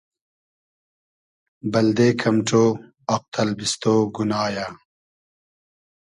بئلدې کئم ݖۉ آق تئلبیستۉ گونا یۂ